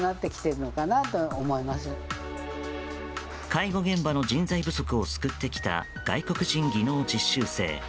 介護現場の人材不足を救ってきた外国人技能実習生。